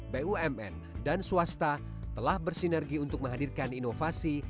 bumn dan swasta telah bersinergi untuk menghadirkan inovasi